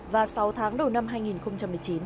và sáu tháng đầu năm hai nghìn một mươi chín